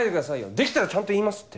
できたらちゃんと言いますって。